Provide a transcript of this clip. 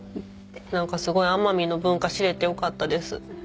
何かすごい奄美の文化知れてよかったです。